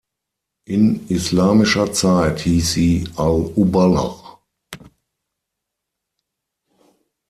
In islamischer Zeit hieß sie al-Ubulla.